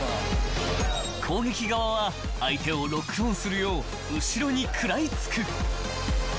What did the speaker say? ［攻撃側は相手をロックオンするよう後ろに食らい付く］